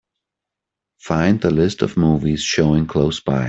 Find the list of movies showing close by